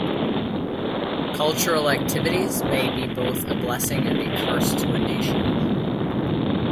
Cultural activities may be both a blessing and a curse to a nation.